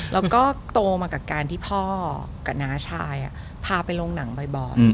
แล้วก็โตมากับการที่พ่อกับน้าชายพาไปลงหนังบ่อย